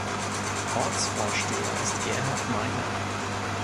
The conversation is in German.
Ortsvorsteher ist Gerhard Meine.